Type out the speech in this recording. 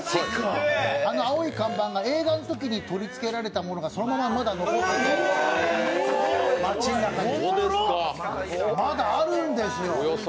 あの青い看板が映画のときに取り付けられたものがそのまままだ残っていて街の中にまだあるんですよ。